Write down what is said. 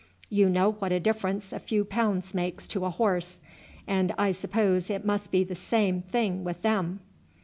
You know what a difference a few pounds makes to a horse; and I suppose it must be the same thing with them."